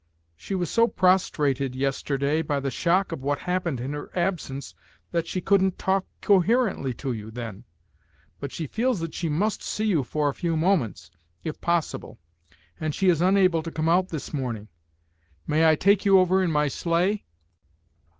She was so prostrated yesterday by the shock of what happened in her absence that she couldn't talk coherently to you then; but she feels that she must see you for a few moments, if possible, and she is unable to come out this morning. May I take you over in my sleigh?"